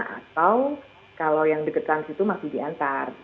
atau kalau yang dekat sana masih diantar